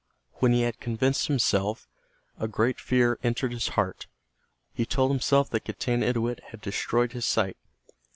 When he had convinced himself, a great fear entered his heart. He told himself that Getanittowit had destroyed his sight.